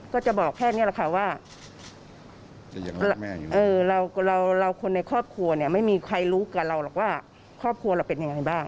ก็จะบอกแค่นี้แหละค่ะว่าเราคนในครอบครัวเนี่ยไม่มีใครรู้กับเราหรอกว่าครอบครัวเราเป็นยังไงบ้าง